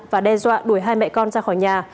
và đe dọa đuổi hai mẹ con ra khỏi nhà